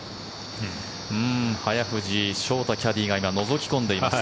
早藤将太キャディーが今、のぞき込んでいました。